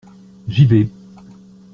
J’y vais.